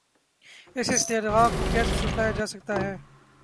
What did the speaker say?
اس استدعاکو کیسے جھٹلایا جاسکتاہے؟